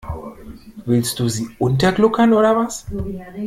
Willst du sie untergluckern oder was?